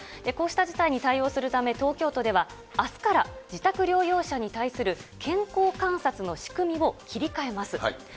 こうした事態に対応するため、東京都では、あすから、自宅療養者に対する健康観察の仕組みを切り替えます。